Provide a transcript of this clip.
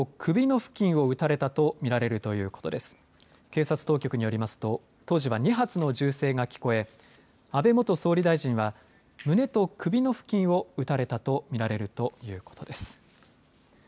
警察当局によりますと当時は２発の銃声が聞こえ安倍元総理大臣は胸と首の付近を撃たれたと見られるということです。